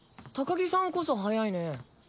高木さんこそ早いね。